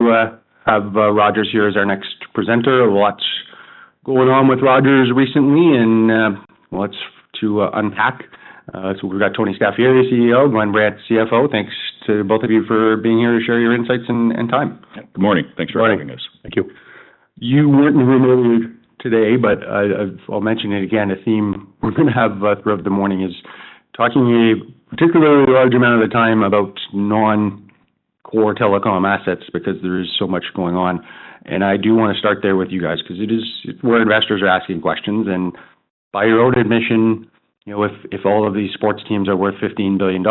We have Rogers here as our next presenter. A lot's going on with Rogers recently, and lots to unpack. So we've got Tony Staffieri, CEO; Glenn Brandt, CFO. Thanks to both of you for being here to share your insights and time. Good morning. Thanks for having us. Thank you. You were not in the room earlier today, but I will mention it again. A theme we are going to have throughout the morning is talking a particularly large amount of the time about non-core telecom assets because there is so much going on. I do want to start there with you guys because it is where investors are asking questions. By your own admission, if all of these sports teams are worth $15 billion,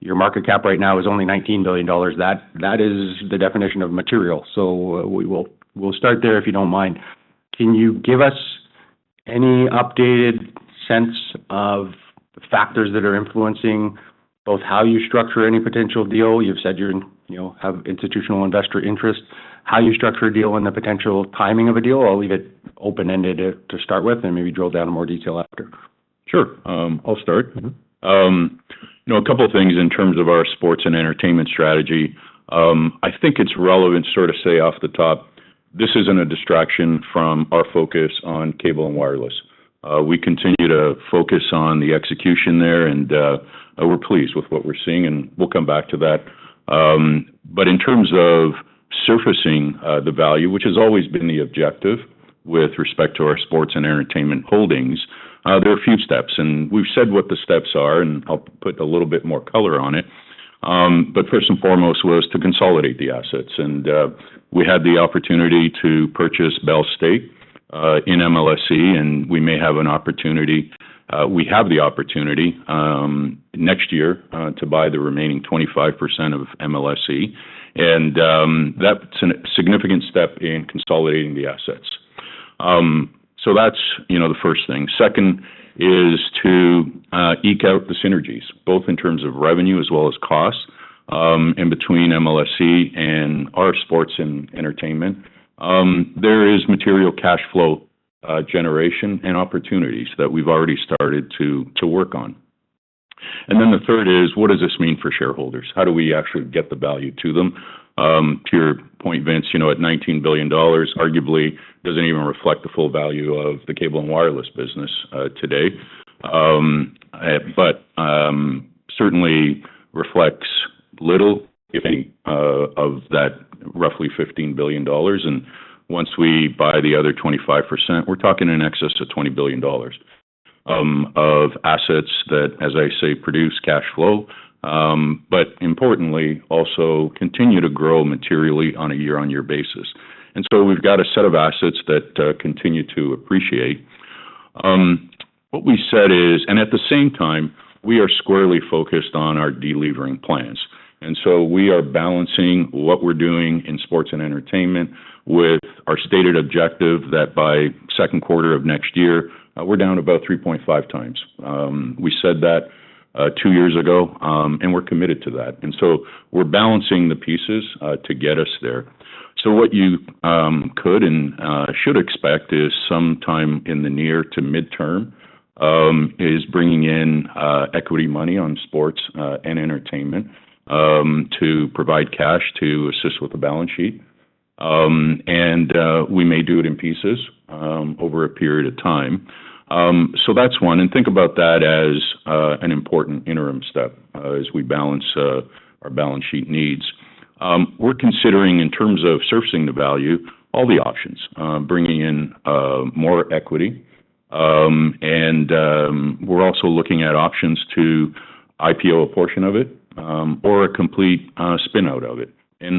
your market cap right now is only $19 billion. That is the definition of material. We will start there, if you do not mind. Can you give us any updated sense of the factors that are influencing both how you structure any potential deal? You have said you have institutional investor interest. How you structure a deal and the potential timing of a deal? I'll leave it open-ended to start with and maybe drill down in more detail after. Sure. I'll start. A couple of things in terms of our sports and entertainment strategy. I think it's relevant to sort of say off the top, this isn't a distraction from our focus on cable and wireless. We continue to focus on the execution there, and we're pleased with what we're seeing, and we'll come back to that. In terms of surfacing the value, which has always been the objective with respect to our sports and entertainment holdings, there are a few steps. We've said what the steps are and helped put a little bit more color on it. First and foremost was to consolidate the assets. We had the opportunity to purchase Bell's stake in MLSE, and we may have an opportunity—we have the opportunity—next year to buy the remaining 25% of MLSE. That's a significant step in consolidating the assets. That's the first thing. Second is to eke out the synergies, both in terms of revenue as well as cost, in between MLSE and our sports and entertainment. There is material cash flow generation and opportunities that we've already started to work on. The third is, what does this mean for shareholders? How do we actually get the value to them? To your point, Vince, at $19 billion, arguably, does not even reflect the full value of the cable and wireless business today, but certainly reflects little, if any, of that roughly $15 billion. Once we buy the other 25%, we're talking in excess of $20 billion of assets that, as I say, produce cash flow, but importantly, also continue to grow materially on a year-on-year basis. We've got a set of assets that continue to appreciate. What we said is, and at the same time, we are squarely focused on our delivering plans. We are balancing what we're doing in sports and entertainment with our stated objective that by second quarter of next year, we're down about 3.5x. We said that two years ago, and we're committed to that. We are balancing the pieces to get us there. What you could and should expect is sometime in the near to midterm is bringing in equity money on sports and entertainment to provide cash to assist with the balance sheet. We may do it in pieces over a period of time. That is one. Think about that as an important interim step as we balance our balance sheet needs. We're considering, in terms of surfacing the value, all the options, bringing in more equity. We're also looking at options to IPO a portion of it or a complete spinout of it.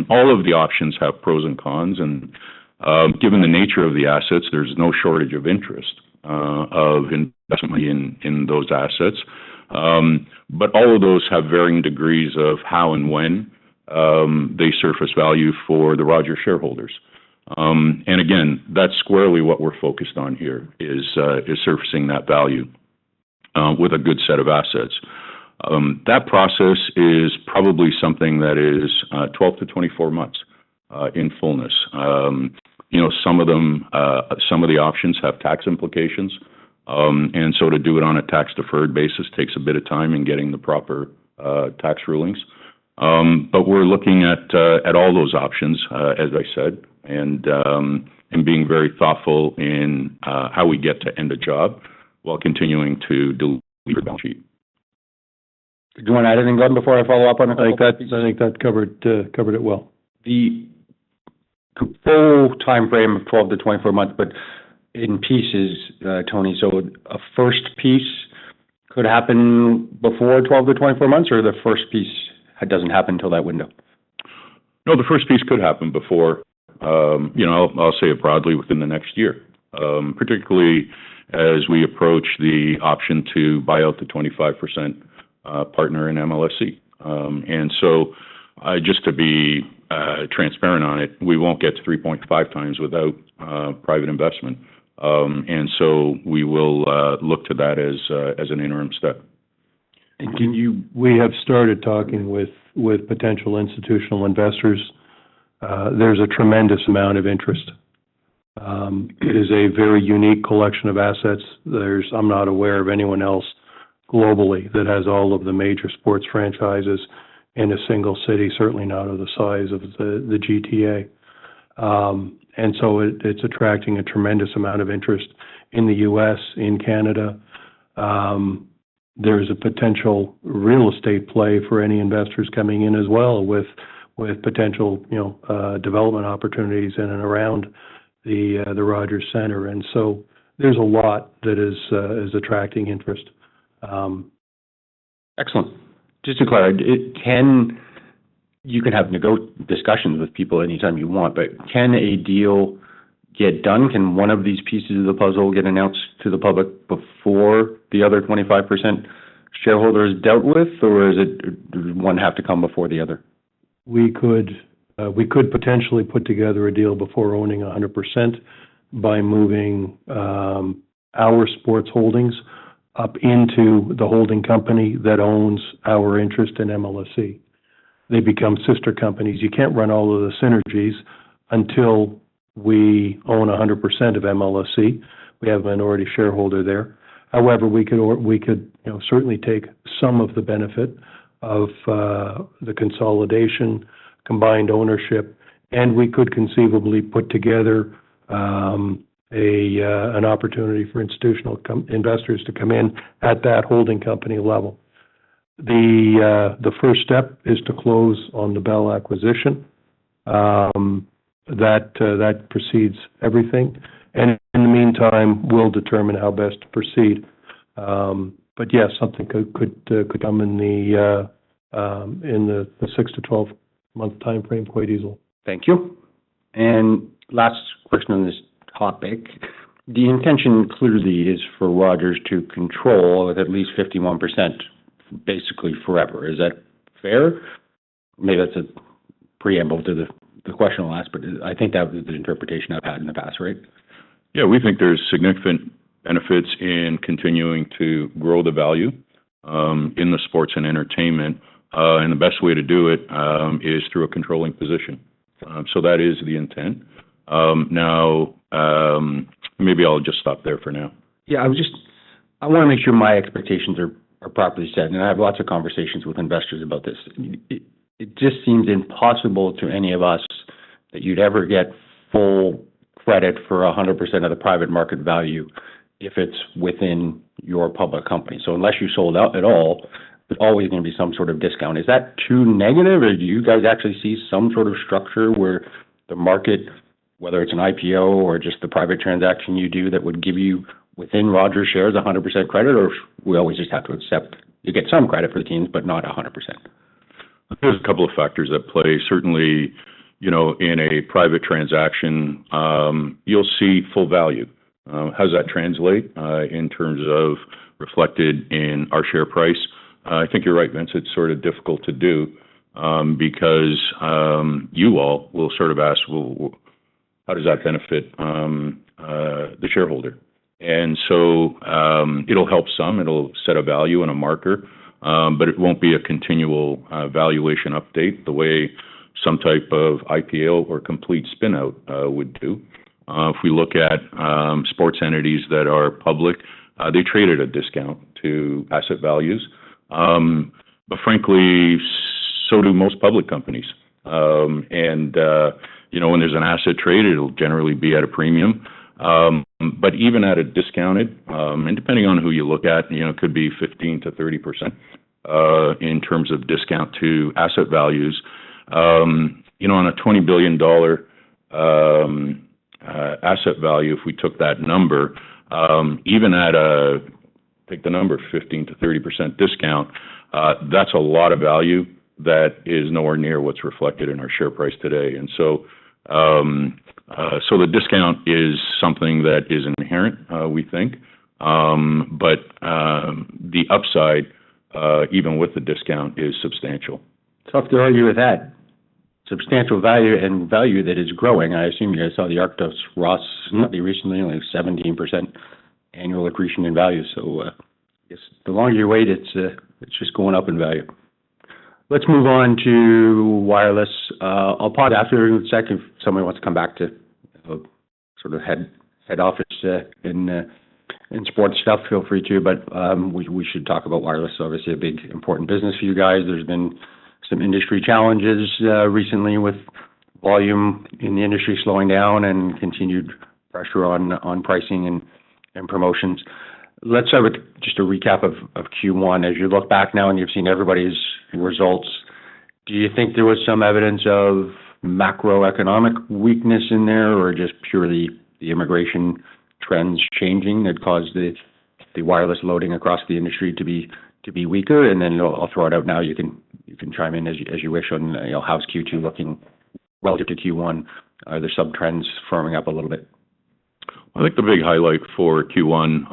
All of the options have pros and cons. Given the nature of the assets, there's no shortage of interest of investment in those assets. All of those have varying degrees of how and when they surface value for the Rogers shareholders. Again, that's squarely what we're focused on here, surfacing that value with a good set of assets. That process is probably something that is 12-24 months in fullness. Some of the options have tax implications. To do it on a tax-deferred basis takes a bit of time in getting the proper tax rulings. We're looking at all those options, as I said, and being very thoughtful in how we get to end the job while continuing to deliver the balance sheet. Do you want to add anything, Glenn, before I follow up on it? I think that covered it well. The full timeframe of 12-24 months, but in pieces, Tony. A first piece could happen before 12-24 months, or the first piece does not happen until that window? No, the first piece could happen before—I will say it broadly—within the next year, particularly as we approach the option to buy out the 25% partner in MLSE. Just to be transparent on it, we will not get to 3.5x without private investment. We will look to that as an interim step. We have started talking with potential institutional investors. There's a tremendous amount of interest. It is a very unique collection of assets. I'm not aware of anyone else globally that has all of the major sports franchises in a single city, certainly not of the size of the GTA. It is attracting a tremendous amount of interest in the U.S., in Canada. There is a potential real estate play for any investors coming in as well with potential development opportunities in and around the Rogers Centre. There is a lot that is attracting interest. Excellent. Just to clarify, you can have discussions with people anytime you want, but can a deal get done? Can one of these pieces of the puzzle get announced to the public before the other 25% shareholders dealt with, or does one have to come before the other? We could potentially put together a deal before owning 100% by moving our sports holdings up into the holding company that owns our interest in MLSE. They become sister companies. You can't run all of the synergies until we own 100% of MLSE. We have a minority shareholder there. However, we could certainly take some of the benefit of the consolidation, combined ownership, and we could conceivably put together an opportunity for institutional investors to come in at that holding company level. The first step is to close on the Bell acquisition. That precedes everything. In the meantime, we'll determine how best to proceed. Yeah, something could come in the 6-12 month timeframe quite easily. Thank you. Last question on this topic. The intention clearly is for Rogers to control with at least 51% basically forever. Is that fair? Maybe that's a preamble to the question I'll ask, but I think that was the interpretation I've had in the past, right? Yeah. We think there's significant benefits in continuing to grow the value in the sports and entertainment. The best way to do it is through a controlling position. That is the intent. Now, maybe I'll just stop there for now. Yeah. I want to make sure my expectations are properly set. And I have lots of conversations with investors about this. It just seems impossible to any of us that you'd ever get full credit for 100% of the private market value if it's within your public company. So unless you sold out at all, there's always going to be some sort of discount. Is that too negative, or do you guys actually see some sort of structure where the market, whether it's an IPO or just the private transaction you do, that would give you within Rogers shares 100% credit, or we always just have to accept you get some credit for the teams, but not 100%? There's a couple of factors at play. Certainly, in a private transaction, you'll see full value. How does that translate in terms of reflected in our share price? I think you're right, Vince. It's sort of difficult to do because you all will sort of ask, "Well, how does that benefit the shareholder?" It'll help some. It'll set a value and a marker, but it won't be a continual valuation update the way some type of IPO or complete spinout would do. If we look at sports entities that are public, they trade at a discount to asset values. Frankly, so do most public companies. When there's an asset traded, it'll generally be at a premium. Even at a discounted, and depending on who you look at, it could be 15%-30% in terms of discount to asset values. On a $20 billion asset value, if we took that number, even at a, take the number, 15%-30% discount, that's a lot of value that is nowhere near what's reflected in our share price today. The discount is something that is inherent, we think. The upside, even with the discount, is substantial. Tough to argue with that. Substantial value and value that is growing. I assume you saw the Ark dose ROS not too recently, only 17% annual accretion in value. The longer you wait, it's just going up in value. Let's move on to wireless. I'll pause after in a second if somebody wants to come back to sort of head office and sports stuff. Feel free to. We should talk about wireless. Obviously, a big important business for you guys. There's been some industry challenges recently with volume in the industry slowing down and continued pressure on pricing and promotions. Let's start with just a recap of Q1. As you look back now and you've seen everybody's results, do you think there was some evidence of macroeconomic weakness in there or just purely the immigration trends changing that caused the wireless loading across the industry to be weaker? I'll throw it out now. You can chime in as you wish on how's Q2 looking relative to Q1? Are there some trends firming up a little bit? I think the big highlight for Q1,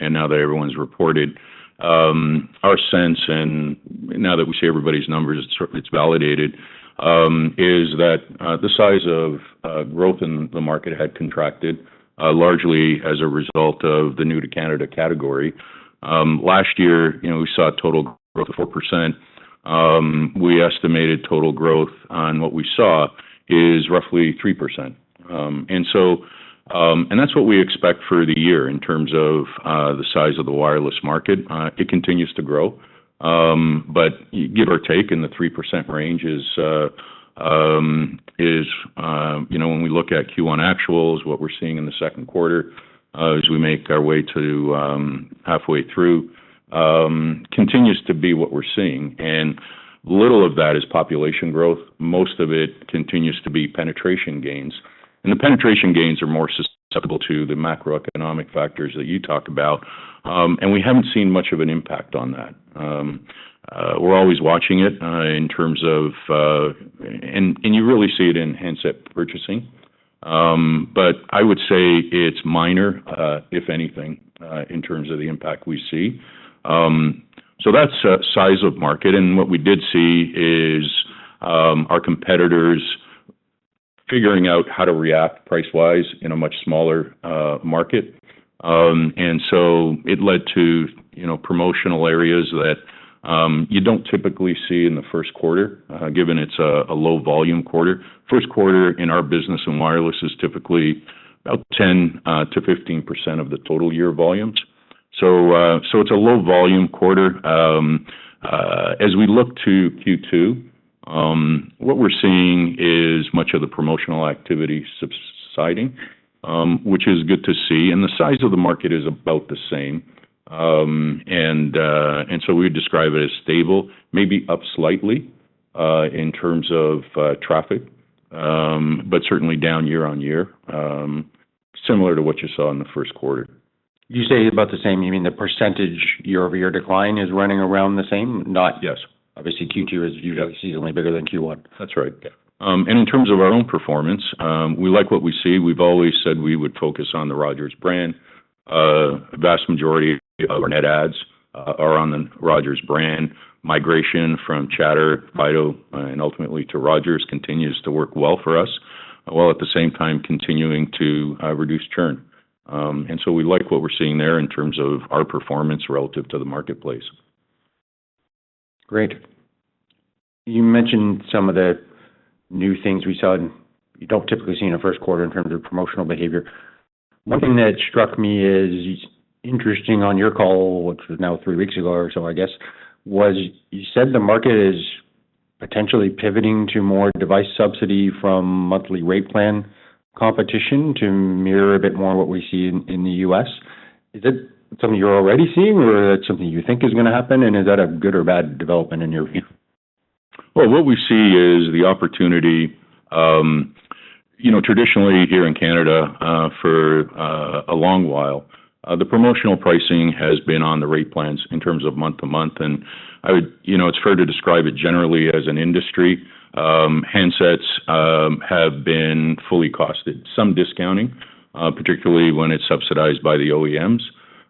and now that everyone's reported, our sense—and now that we see everybody's numbers, it's validated—is that the size of growth in the market had contracted largely as a result of the new-to-Canada category. Last year, we saw total growth of 4%. We estimated total growth on what we saw is roughly 3%. That is what we expect for the year in terms of the size of the wireless market. It continues to grow. Give or take in the 3% range is, when we look at Q1 actuals, what we're seeing in the second quarter as we make our way to halfway through, continues to be what we're seeing. Little of that is population growth. Most of it continues to be penetration gains. The penetration gains are more susceptible to the macroeconomic factors that you talk about. We have not seen much of an impact on that. We are always watching it in terms of—and you really see it in handset purchasing. I would say it is minor, if anything, in terms of the impact we see. That is size of market. What we did see is our competitors figuring out how to react price-wise in a much smaller market. It led to promotional areas that you do not typically see in the first quarter, given it is a low-volume quarter. First quarter in our business in wireless is typically about 10--15% of the total year volumes. It is a low-volume quarter. As we look to Q2, what we are seeing is much of the promotional activity subsiding, which is good to see. The size of the market is about the same. We would describe it as stable, maybe up slightly in terms of traffic, but certainly down year-on-year, similar to what you saw in the first quarter. You say about the same. You mean the percentage year-over-year decline is running around the same? Yes. Obviously, Q2 is seasonally bigger than Q1. That's right. In terms of our own performance, we like what we see. We've always said we would focus on the Rogers brand. The vast majority of our net adds are on the Rogers brand. Migration from Chatr, Fido, and ultimately to Rogers continues to work well for us, while at the same time continuing to reduce churn. We like what we're seeing there in terms of our performance relative to the marketplace. Great. You mentioned some of the new things we saw you do not typically see in a first quarter in terms of promotional behavior. One thing that struck me as interesting on your call, which was now three weeks ago or so, I guess, was you said the market is potentially pivoting to more device subsidy from monthly rate plan competition to mirror a bit more what we see in the U.S. Is that something you are already seeing, or is that something you think is going to happen? Is that a good or bad development in your view? What we see is the opportunity. Traditionally, here in Canada, for a long while, the promotional pricing has been on the rate plans in terms of month-to-month. It is fair to describe it generally as an industry. Handsets have been fully costed, some discounting, particularly when it is subsidized by the OEMs.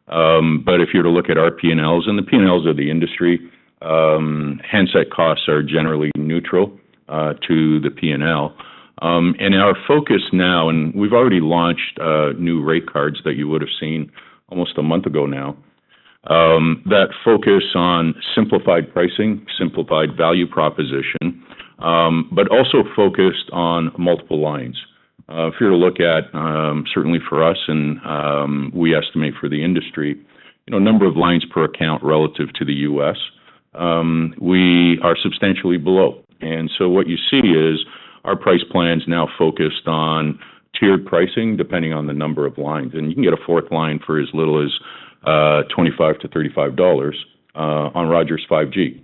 If you were to look at our P&Ls, and the P&Ls are the industry, handset costs are generally neutral to the P&L. Our focus now—and we have already launched new rate cards that you would have seen almost a month ago now—that focus on simplified pricing, simplified value proposition, but also focused on multiple lines. If you were to look at, certainly for us, and we estimate for the industry, a number of lines per account relative to the U.S., we are substantially below. What you see is our price plans now focused on tiered pricing depending on the number of lines. You can get a fourth line for as little as $25-$35 on Rogers 5G.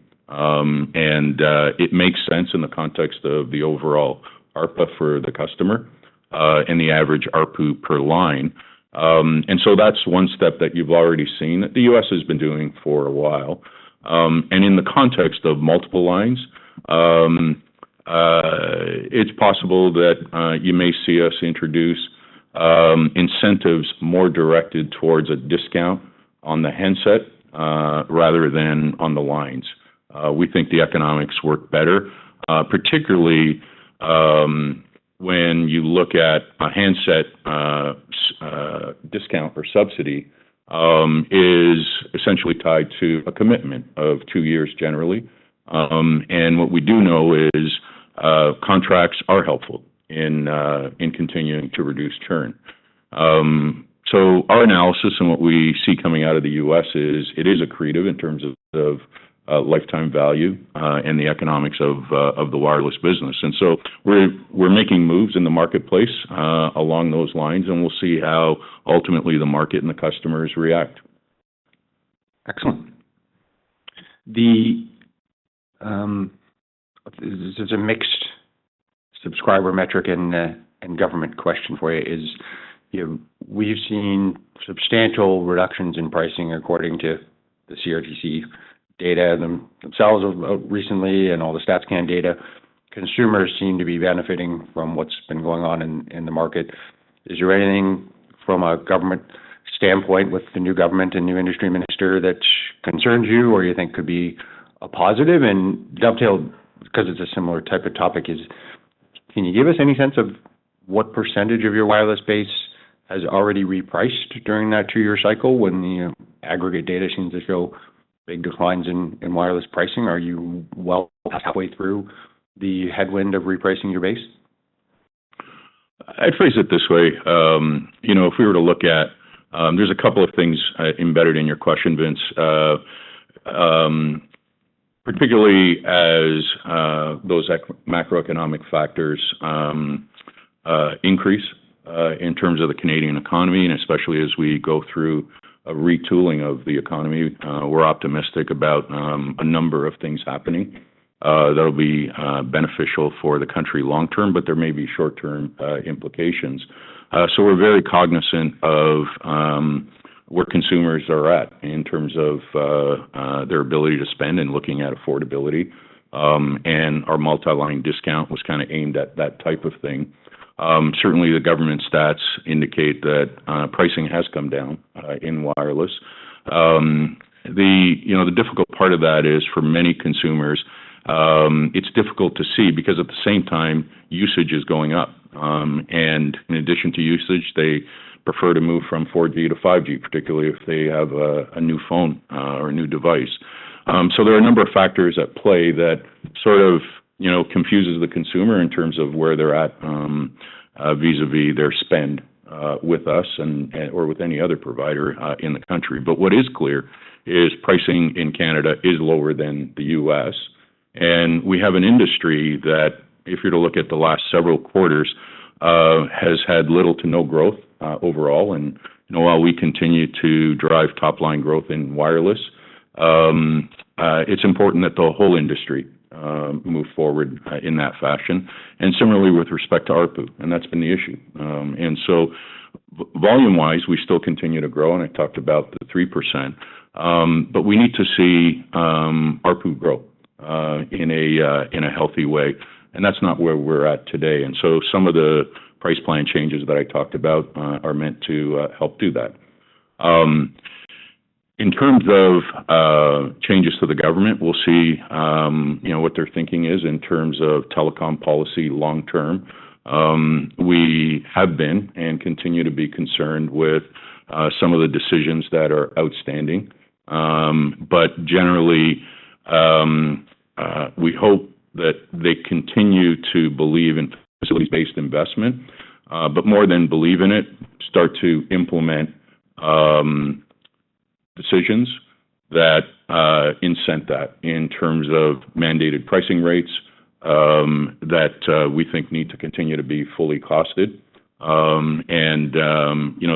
It makes sense in the context of the overall ARPA for the customer and the average ARPU per line. That is one step that you have already seen that the U.S. has been doing for a while. In the context of multiple lines, it is possible that you may see us introduce incentives more directed towards a discount on the handset rather than on the lines. We think the economics work better, particularly when you look at a handset discount or subsidy that is essentially tied to a commitment of two years generally. What we do know is contracts are helpful in continuing to reduce churn. Our analysis and what we see coming out of the U.S. is it is accretive in terms of lifetime value and the economics of the wireless business. And so we're making moves in the marketplace along those lines, and we'll see how ultimately the market and the customers react. Excellent. There is a mixed subscriber metric and government question for you. We have seen substantial reductions in pricing according to the CRTC data themselves recently and all the StatsCan data. Consumers seem to be benefiting from what has been going on in the market. Is there anything from a government standpoint with the new government and new industry minister that concerns you, or you think could be a positive? Dovetail, because it is a similar type of topic, can you give us any sense of what percentage of your wireless base has already repriced during that two-year cycle when the aggregate data seems to show big declines in wireless pricing? Are you well halfway through the headwind of repricing your base? I'd phrase it this way. If we were to look at, there's a couple of things embedded in your question, Vince, particularly as those macroeconomic factors increase in terms of the Canadian economy, and especially as we go through a retooling of the economy, we're optimistic about a number of things happening that will be beneficial for the country long term, but there may be short-term implications. We are very cognizant of where consumers are at in terms of their ability to spend and looking at affordability. Our multi-line discount was kind of aimed at that type of thing. Certainly, the government stats indicate that pricing has come down in wireless. The difficult part of that is for many consumers, it's difficult to see because at the same time, usage is going up. In addition to usage, they prefer to move from 4G to 5G, particularly if they have a new phone or a new device. There are a number of factors at play that sort of confuses the consumer in terms of where they're at vis-à-vis their spend with us or with any other provider in the country. What is clear is pricing in Canada is lower than the US. We have an industry that, if you were to look at the last several quarters, has had little to no growth overall. While we continue to drive top-line growth in wireless, it's important that the whole industry move forward in that fashion. Similarly with respect to ARPU, and that's been the issue. Volume-wise, we still continue to grow. I talked about the 3%. We need to see ARPU grow in a healthy way. That's not where we're at today. Some of the price plan changes that I talked about are meant to help do that. In terms of changes to the government, we'll see what their thinking is in terms of telecom policy long term. We have been and continue to be concerned with some of the decisions that are outstanding. Generally, we hope that they continue to believe in facility-based investment, but more than believe in it, start to implement decisions that incent that in terms of mandated pricing rates that we think need to continue to be fully costed.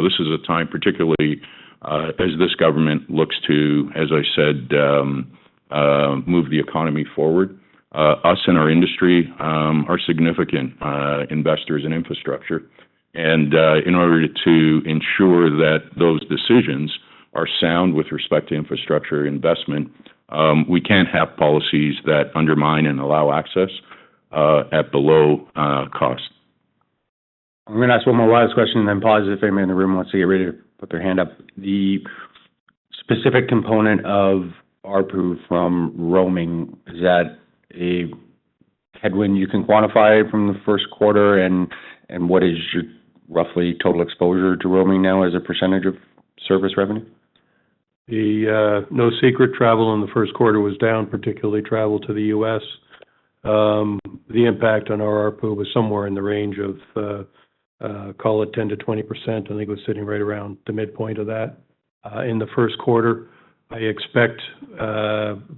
This is a time, particularly as this government looks to, as I said, move the economy forward. Us and our industry are significant investors in infrastructure. In order to ensure that those decisions are sound with respect to infrastructure investment, we can't have policies that undermine and allow access at below cost. I'm going to ask one more last question and then pause if anyone in the room wants to get ready to put their hand up. The specific component of ARPU from roaming, is that a headwind you can quantify from the first quarter? What is your roughly total exposure to roaming now as a percentage of service revenue? The no secret travel in the first quarter was down, particularly travel to the U.S. The impact on our ARPU was somewhere in the range of, call it 10-20%. I think it was sitting right around the midpoint of that in the first quarter. I expect,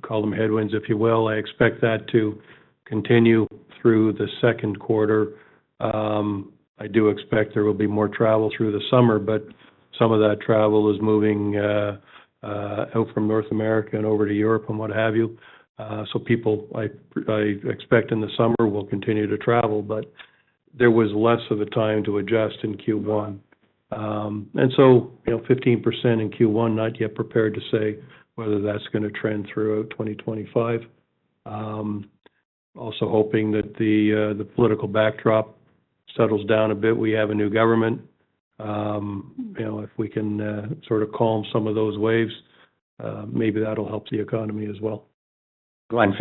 call them headwinds, if you will. I expect that to continue through the second quarter. I do expect there will be more travel through the summer, but some of that travel is moving out from North America and over to Europe and what have you. People, I expect in the summer, will continue to travel, but there was less of a time to adjust in Q1. 15% in Q1, not yet prepared to say whether that's going to trend throughout 2025. Also hoping that the political backdrop settles down a bit. We have a new government. If we can sort of calm some of those waves, maybe that'll help the economy as well. Go on.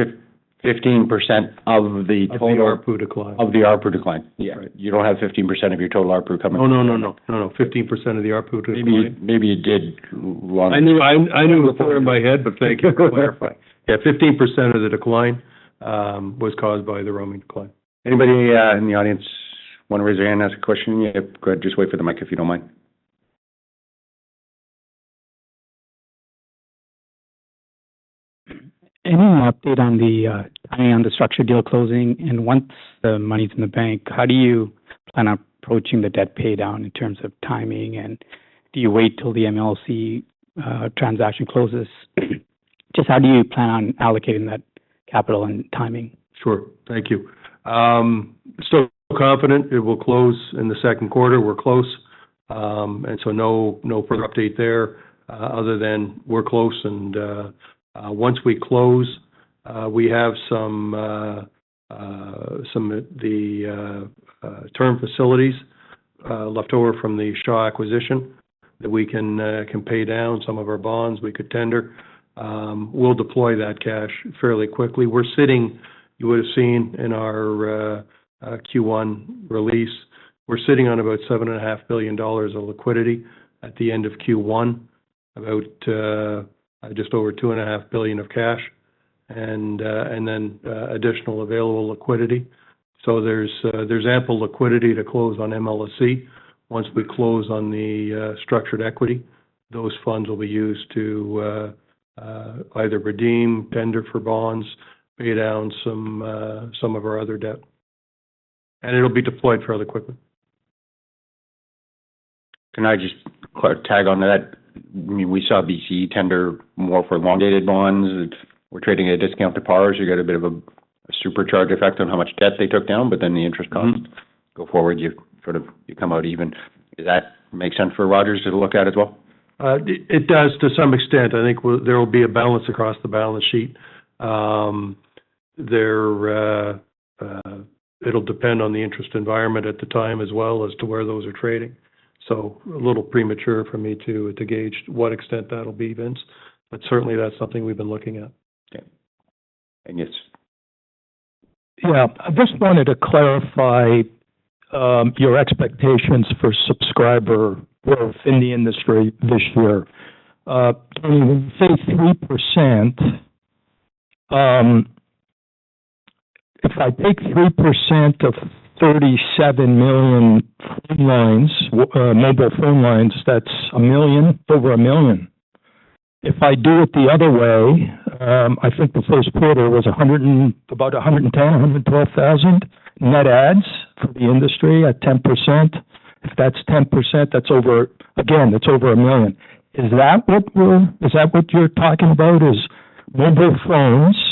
15% of the total. Of the ARPU decline. Of the ARPU decline. Yeah. You don't have 15% of your total ARPU coming? No, no. 15% of the ARPU decline. Maybe you did wrong. I knew before in my head, but thank you for clarifying. Yeah, 15% of the decline was caused by the roaming decline. Anybody in the audience want to raise their hand and ask a question? Go ahead. Just wait for the mic, if you don't mind. Any update on the structured deal closing? Once the money's in the bank, how do you plan on approaching the debt pay down in terms of timing? Do you wait till the MLSE transaction closes? Just how do you plan on allocating that capital and timing? Sure. Thank you. Confident it will close in the second quarter. We're close. No further update there other than we're close. Once we close, we have some of the term facilities left over from the Shaw acquisition that we can pay down, some of our bonds we could tender. We'll deploy that cash fairly quickly. You would have seen in our Q1 release, we're sitting on about 7.5 billion dollars of liquidity at the end of Q1, just over 2.5 billion of cash, and then additional available liquidity. There's ample liquidity to close on MLSE. Once we close on the structured equity, those funds will be used to either redeem, tender for bonds, pay down some of our other debt. It'll be deployed fairly quickly. Can I just tag on to that? I mean, we saw BCE tender more for elongated bonds. We're trading at a discount to par. So you got a bit of a supercharge effect on how much debt they took down, but then the interest costs go forward, you sort of come out even. Does that make sense for Rogers to look at as well? It does to some extent. I think there will be a balance across the balance sheet. It'll depend on the interest environment at the time as well as to where those are trading. A little premature for me to gauge to what extent that'll be, Vince. Certainly, that's something we've been looking at. Okay. Yes. Yeah. I just wanted to clarify your expectations for subscriber growth in the industry this year. When you say 3%, if I take 3% of 37 million mobile phone lines, that's a million, over a million. If I do it the other way, I think the first quarter was about 110, 112,000 net adds for the industry at 10%. If that's 10%, again, that's over a million. Is that what you're talking about, is mobile phones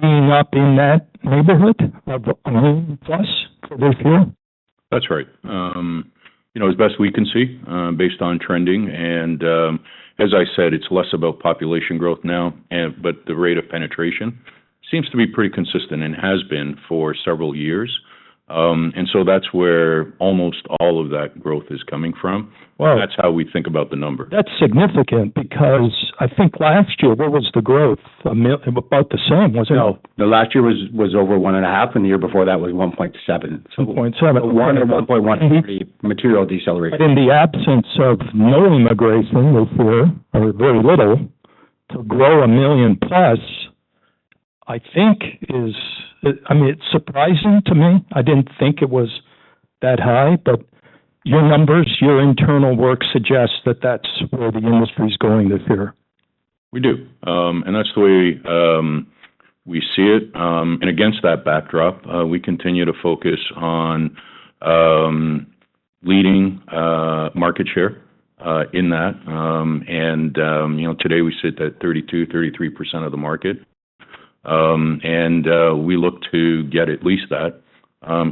being up in that neighborhood of a million plus for this year? That's right. As best we can see based on trending. As I said, it's less about population growth now, but the rate of penetration seems to be pretty consistent and has been for several years. That's where almost all of that growth is coming from. That's how we think about the number. That's significant because I think last year, what was the growth? About the same, wasn't it? No. The last year was over one and a half, and the year before that was 1.7. 1.7. 1.1. Material deceleration. In the absence of no immigration this year, or very little, to grow a million plus, I think is, I mean, it's surprising to me. I didn't think it was that high, but your numbers, your internal work suggests that that's where the industry is going this year. We do. That is the way we see it. Against that backdrop, we continue to focus on leading market share in that. Today we sit at 32%-33% of the market. We look to get at least that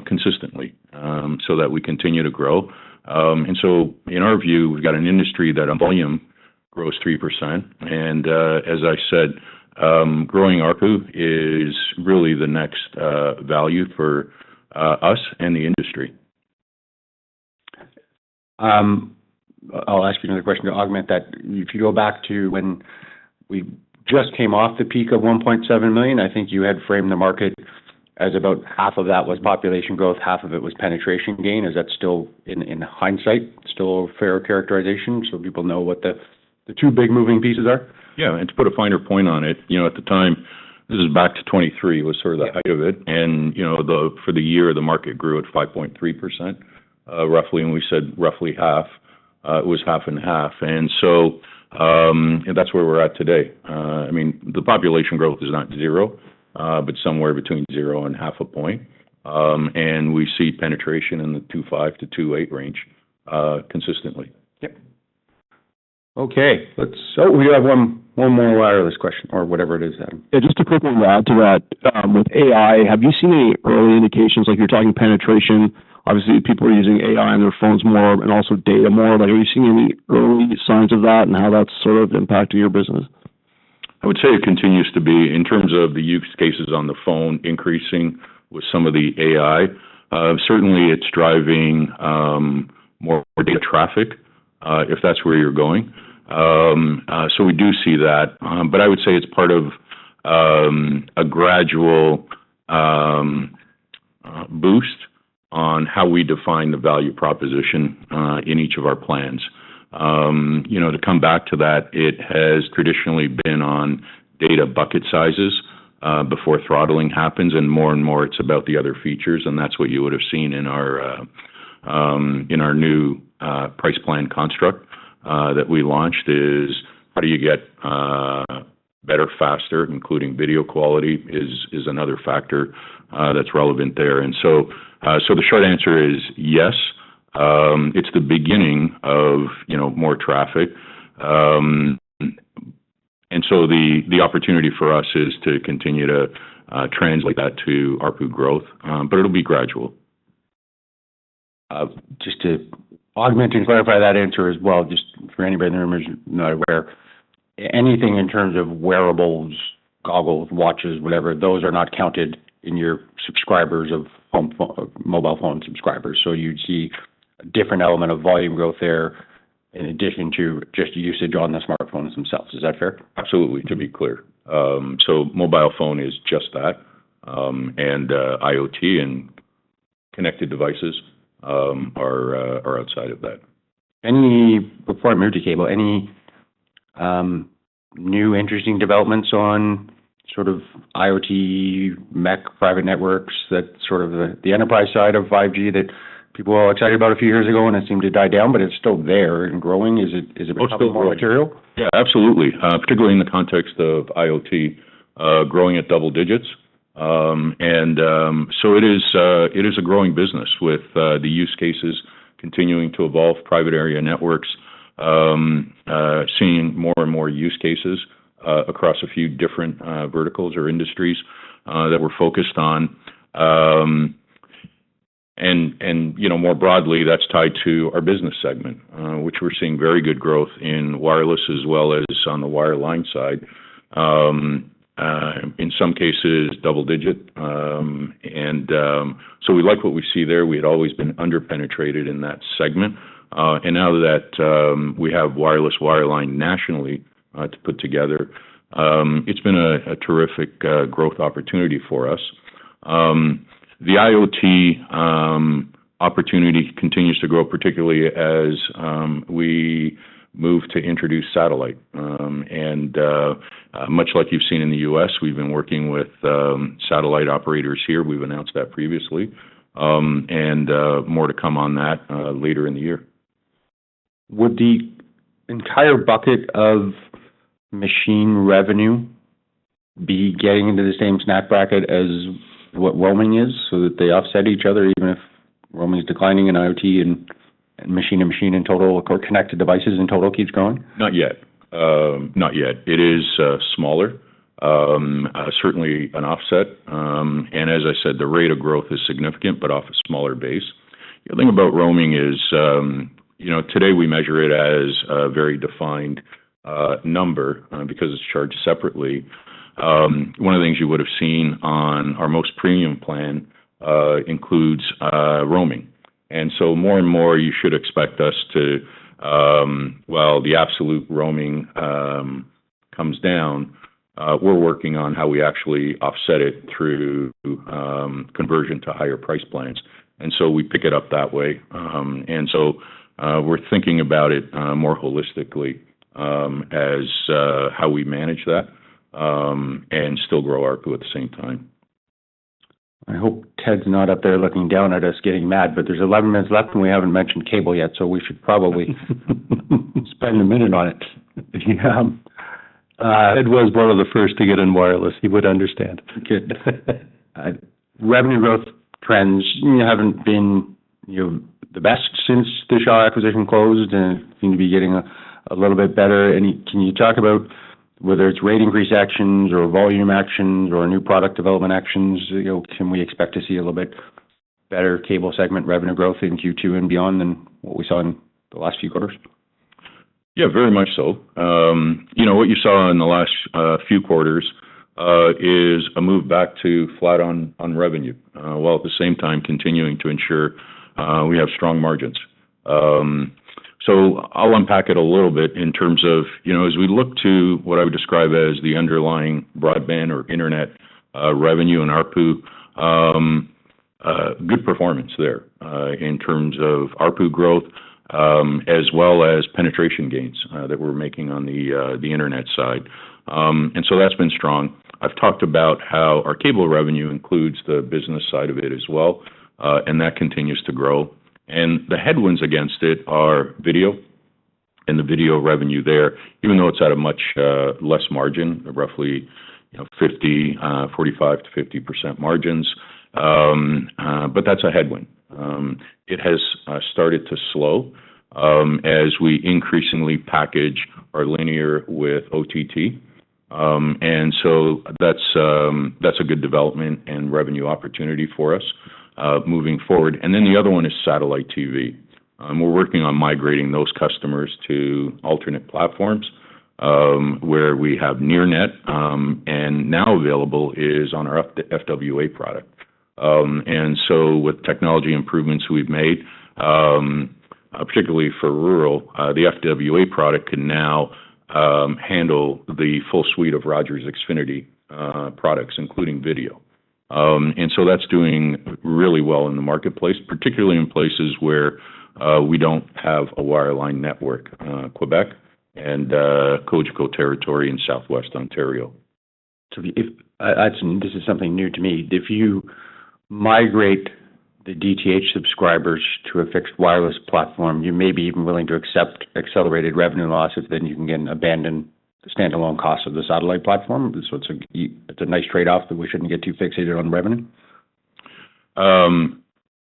consistently so that we continue to grow. In our view, we have got an industry that on volume grows 3%. As I said, growing ARPU is really the next value for us and the industry. I'll ask you another question to augment that. If you go back to when we just came off the peak of 1.7 million, I think you had framed the market as about half of that was population growth, half of it was penetration gain. Is that still in hindsight, still a fair characterization so people know what the two big moving pieces are? Yeah. To put a finer point on it, at the time, this is back to 2023, was sort of the height of it. For the year, the market grew at 5.3% roughly. We said roughly half, it was half and half. That is where we are at today. I mean, the population growth is not zero, but somewhere between zero and half a point. We see penetration in the 2.5-2.8 range consistently. Yep. Okay. Let's—oh, we have one more wireless question or whatever it is, Adam. Yeah. Just a quick one to add to that. With AI, have you seen any early indications? Like you're talking penetration, obviously people are using AI on their phones more and also data more. Are you seeing any early signs of that and how that's sort of impacting your business? I would say it continues to be in terms of the use cases on the phone increasing with some of the AI. Certainly, it's driving more data traffic if that's where you're going. We do see that. I would say it's part of a gradual boost on how we define the value proposition in each of our plans. To come back to that, it has traditionally been on data bucket sizes before throttling happens. More and more, it's about the other features. That's what you would have seen in our new price plan construct that we launched, is how do you get better, faster, including video quality is another factor that's relevant there. The short answer is yes. It's the beginning of more traffic. The opportunity for us is to continue to translate that to ARPU growth, but it'll be gradual. Just to augment and clarify that answer as well, just for anybody in the room who's not aware, anything in terms of wearables, goggles, watches, whatever, those are not counted in your subscribers of mobile phone subscribers. You would see a different element of volume growth there in addition to just usage on the smartphones themselves. Is that fair? Absolutely. To be clear, mobile phone is just that. IoT and connected devices are outside of that. Any, before I move to cable, any new interesting developments on sort of IoT, MEC, private networks, that sort of the enterprise side of 5G that people were all excited about a few years ago and it seemed to die down, but it's still there and growing? Is it becoming more material? Yeah, absolutely. Particularly in the context of IoT growing at double digits. It is a growing business with the use cases continuing to evolve, private area networks, seeing more and more use cases across a few different verticals or industries that we're focused on. More broadly, that's tied to our business segment, which we're seeing very good growth in wireless as well as on the wireline side. In some cases, double digit. We like what we see there. We had always been underpenetrated in that segment. Now that we have wireless, wireline nationally to put together, it's been a terrific growth opportunity for us. The IoT opportunity continues to grow, particularly as we move to introduce satellite. Much like you've seen in the U.S., we've been working with satellite operators here. We've announced that previously. More to come on that later in the year. Would the entire bucket of machine revenue be getting into the same snap bracket as what roaming is so that they offset each other even if roaming is declining and IoT and machine to machine in total, connected devices in total keeps growing? Not yet. Not yet. It is smaller, certainly an offset. As I said, the rate of growth is significant, but off a smaller base. The other thing about roaming is today we measure it as a very defined number because it is charged separately. One of the things you would have seen on our most premium plan includes roaming. More and more, you should expect us to, while the absolute roaming comes down, we are working on how we actually offset it through conversion to higher price plans. We pick it up that way. We are thinking about it more holistically as how we manage that and still grow ARPU at the same time. I hope Ted's not up there looking down at us getting mad, but there's 11 minutes left and we haven't mentioned cable yet, so we should probably spend a minute on it. Ted was one of the first to get in wireless. He would understand. Good. Revenue growth trends have not been the best since the Shaw acquisition closed and seem to be getting a little bit better. Can you talk about whether it is rate increase actions or volume actions or new product development actions? Can we expect to see a little bit better cable segment revenue growth in Q2 and beyond than what we saw in the last few quarters? Yeah, very much so. What you saw in the last few quarters is a move back to flat on revenue, while at the same time continuing to ensure we have strong margins. I'll unpack it a little bit in terms of as we look to what I would describe as the underlying broadband or internet revenue in ARPU, good performance there in terms of ARPU growth as well as penetration gains that we're making on the internet side. That's been strong. I've talked about how our cable revenue includes the business side of it as well, and that continues to grow. The headwinds against it are video and the video revenue there, even though it's at a much less margin, roughly 45%-50% margins. That is a headwind. It has started to slow as we increasingly package our linear with OTT. That's a good development and revenue opportunity for us moving forward. The other one is satellite TV. We're working on migrating those customers to alternate platforms where we have Nearnet, and now available is on our FWA product. With technology improvements we've made, particularly for rural, the FWA product can now handle the full suite of Rogers Xfinity products, including video. That's doing really well in the marketplace, particularly in places where we don't have a wireline network, Quebec and Cogeco territory in southwest Ontario. This is something new to me. If you migrate the DTH subscribers to a fixed wireless platform, you may be even willing to accept accelerated revenue loss if then you can abandon the standalone cost of the satellite platform. It is a nice trade-off that we should not get too fixated on revenue.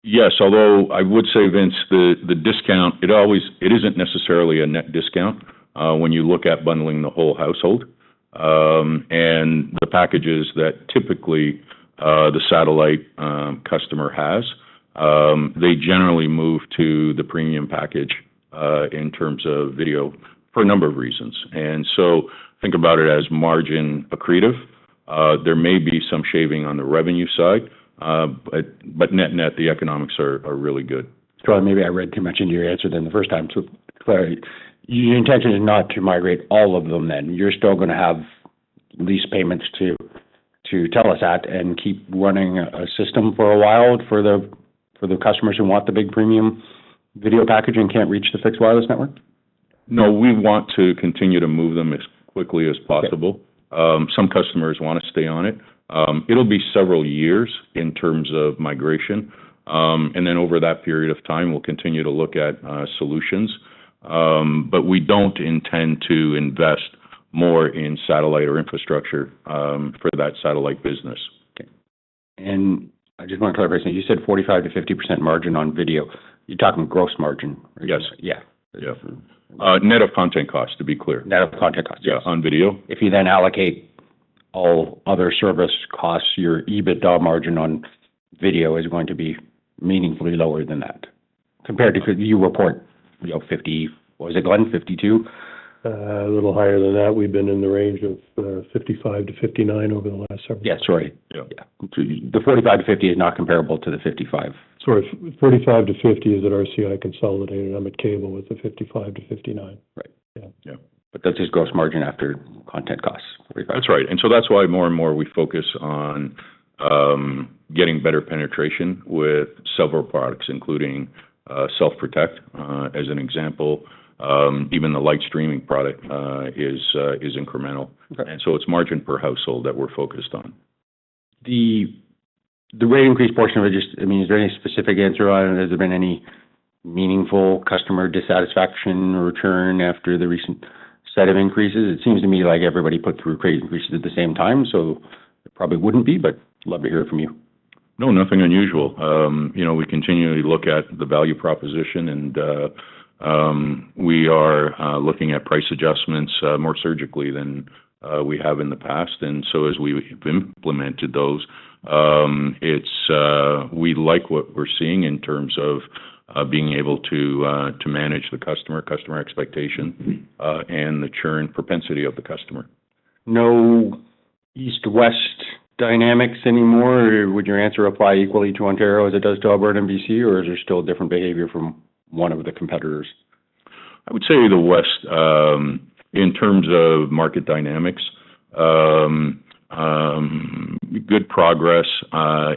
Yes. Although I would say, Vince, the discount, it isn't necessarily a net discount when you look at bundling the whole household. The packages that typically the satellite customer has, they generally move to the premium package in terms of video for a number of reasons. Think about it as margin accretive. There may be some shaving on the revenue side, but net net, the economics are really good. Maybe I read too much into your answer than the first time. So your intention is not to migrate all of them then. You're still going to have lease payments to TELUS at and keep running a system for a while for the customers who want the big premium video package and can't reach the fixed wireless network? No, we want to continue to move them as quickly as possible. Some customers want to stay on it. It'll be several years in terms of migration. Over that period of time, we'll continue to look at solutions. We don't intend to invest more in satellite or infrastructure for that satellite business. I just want to clarify something. You said 45%-50% margin on video. You're talking gross margin. Yes. Yeah. Net of content costs, to be clear. Net of content costs. Yeah, on video. If you then allocate all other service costs, your EBITDA margin on video is going to be meaningfully lower than that compared to you report 50, what was it, Glenn? 52? A little higher than that. We've been in the range of 55-59 over the last several years. Yeah, sorry. The 45%-50% is not comparable to the 55%. 45%-50% is at RCI Consolidated. I'm at cable with the 55%-59%. Right. Yeah. But that's just gross margin after content costs. That's right. That is why more and more we focus on getting better penetration with several products, including Self Protect as an example. Even the light streaming product is incremental. It is margin per household that we're focused on. The rate increase portion of it, I mean, is there any specific answer on it? Has there been any meaningful customer dissatisfaction return after the recent set of increases? It seems to me like everybody put through crazy increases at the same time. It probably wouldn't be, but love to hear it from you. No, nothing unusual. We continually look at the value proposition, and we are looking at price adjustments more surgically than we have in the past. As we have implemented those, we like what we are seeing in terms of being able to manage the customer, customer expectation, and the churn propensity of the customer. No east-west dynamics anymore? Would your answer apply equally to Ontario as it does to Alberta and British Columbia, or is there still different behavior from one of the competitors? I would say the west in terms of market dynamics. Good progress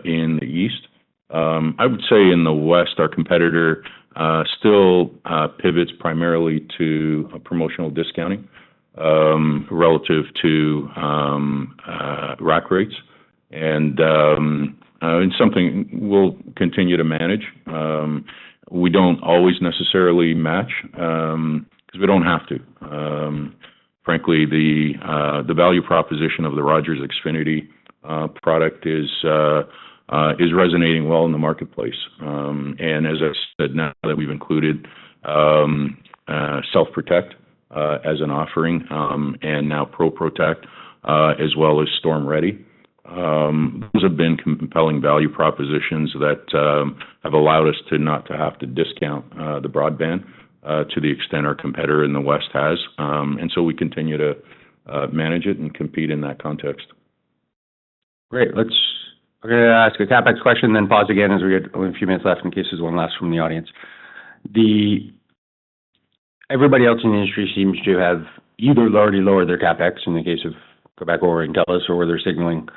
in the east. I would say in the west, our competitor still pivots primarily to promotional discounting relative to rack rates. It is something we will continue to manage. We do not always necessarily match because we do not have to. Frankly, the value proposition of the Rogers Xfinity product is resonating well in the marketplace. As I said, now that we have included Self Protect as an offering and now Pro Protect as well as Storm Ready, those have been compelling value propositions that have allowed us to not have to discount the broadband to the extent our competitor in the west has. We continue to manage it and compete in that context. Great. I'm going to ask a CapEx question and then pause again as we get a few minutes left in case there's one last from the audience. Everybody else in the industry seems to have either already lowered their CapEx in the case of Quebecor or TELUS, or they're signaling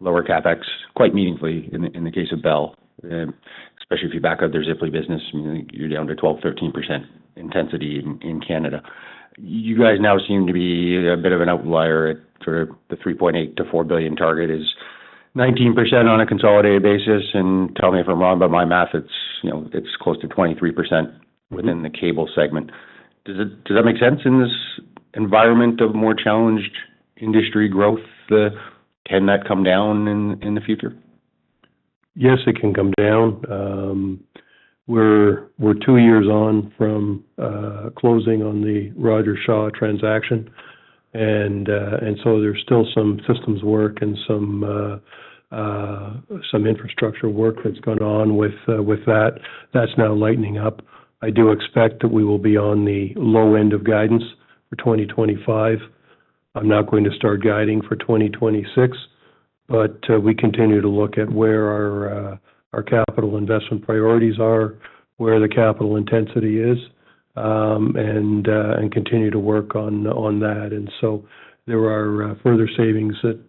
lower CapEx quite meaningfully in the case of Bell, especially if you back up their Ziply business. You're down to 12-13% intensity in Canada. You guys now seem to be a bit of an outlier at sort of the $3.8 billion-$4 billion target is 19% on a consolidated basis. And tell me if I'm wrong, but my math, it's close to 23% within the cable segment. Does that make sense in this environment of more challenged industry growth? Can that come down in the future? Yes, it can come down. We're two years on from closing on the Rogers Shaw transaction. And so there's still some systems work and some infrastructure work that's going on with that. That's now lightening up. I do expect that we will be on the low end of guidance for 2025. I'm not going to start guiding for 2026, but we continue to look at where our capital investment priorities are, where the capital intensity is, and continue to work on that. And so there are further savings ahead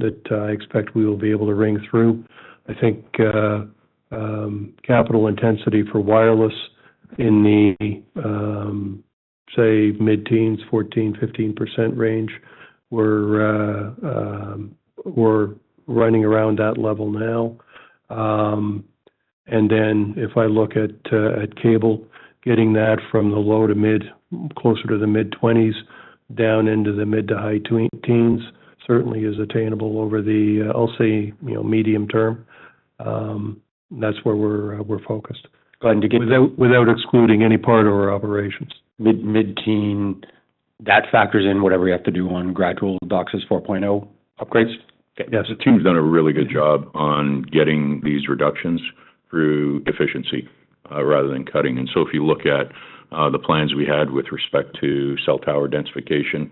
that I expect we will be able to ring through. I think capital intensity for wireless in the, say, mid-teens, 14-15% range. We're running around that level now. If I look at cable, getting that from the low to mid, closer to the mid-20s down into the mid to high teens certainly is attainable over the, I'll say, medium term. That's where we're focused. Go ahead. Without excluding any part of our operations. Mid-teen, that factors in whatever you have to do on gradual DOCSIS 4.0 upgrades? Yes. The team's done a really good job on getting these reductions through efficiency rather than cutting. If you look at the plans we had with respect to cell tower densification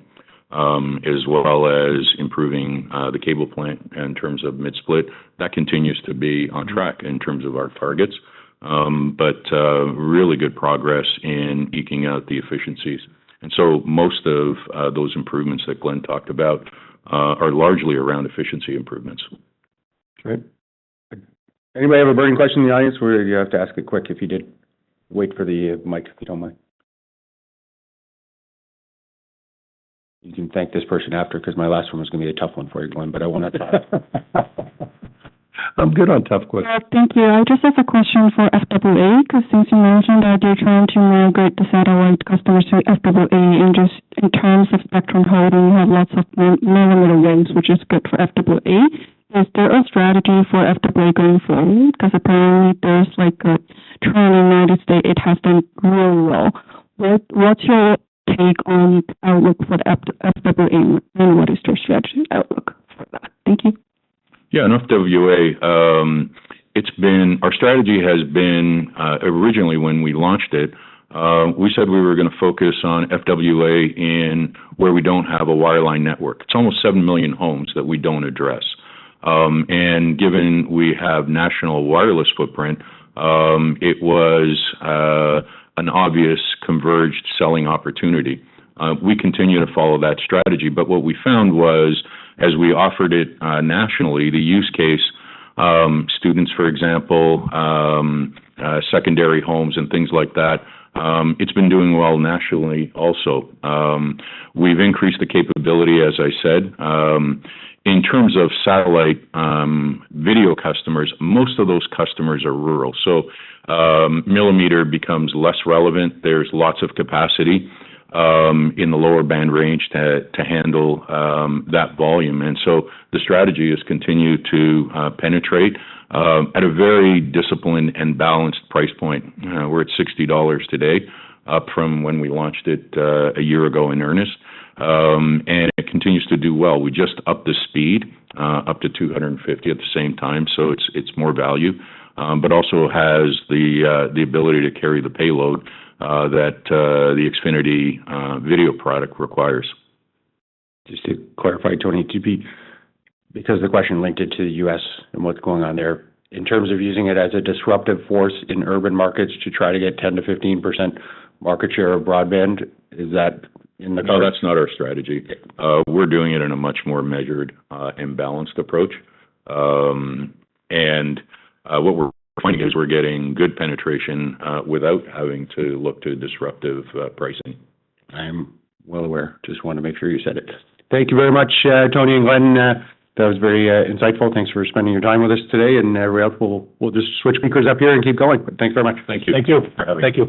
as well as improving the cable plant in terms of mid-split, that continues to be on track in terms of our targets, really good progress in eking out the efficiencies. Most of those improvements that Glenn talked about are largely around efficiency improvements. Great. Anybody have a burning question in the audience? We're going to have to ask it quick if you did. Wait for the mic, if you don't mind. You can thank this person after because my last one was going to be a tough one for you, Glenn, but I won't ask that. I'm good on tough questions. Thank you. I just have a question for FWA because since you mentioned that you're trying to migrate the satellite customers to FWA and just in terms of spectrum holding, you have lots of millimeter waves, which is good for FWA. Is there a strategy for FWA going forward? Because apparently there's a trend in the United States it has done really well. What's your take on the outlook for FWA and what is their strategy outlook for that? Thank you. Yeah, in FWA, our strategy has been originally when we launched it, we said we were going to focus on FWA in where we do not have a wireline network. It is almost 7 million homes that we do not address. And given we have national wireless footprint, it was an obvious converged selling opportunity. We continue to follow that strategy. What we found was, as we offered it nationally, the use case, students, for example, secondary homes and things like that, it has been doing well nationally also. We have increased the capability, as I said. In terms of satellite video customers, most of those customers are rural. So millimeter becomes less relevant. There is lots of capacity in the lower band range to handle that volume. The strategy has continued to penetrate at a very disciplined and balanced price point. We're at $60 today, up from when we launched it a year ago in earnest. It continues to do well. We just upped the speed up to 250 at the same time. It is more value, but also has the ability to carry the payload that the Xfinity video product requires. Just to clarify, Tony, because the question linked it to the U.S. and what's going on there, in terms of using it as a disruptive force in urban markets to try to get 10-15% market share of broadband, is that in the. No, that's not our strategy. We're doing it in a much more measured and balanced approach. What we're finding is we're getting good penetration without having to look to disruptive pricing. I'm well aware. Just wanted to make sure you said it. Thank you very much, Tony and Glenn. That was very insightful. Thank you for spending your time with us today. We will just switch speakers up here and keep going. Thank you very much. Thank you. Thank you for having me.